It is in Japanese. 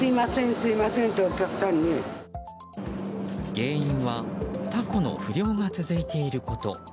原因はタコの不漁が続いていること。